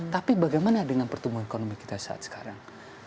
tapi bagaimana dengan pertumbuhan ekonomi kita saat sekarang